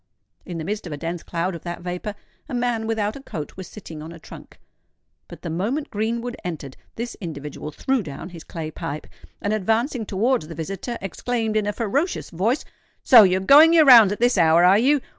In the midst of a dense cloud of that vapour, a man without a coat was sitting on a trunk; but the moment Greenwood entered, this individual threw down his clay pipe, and advancing towards the visitor, exclaimed in a ferocious voice, "So you're going your rounds at this hour, are you?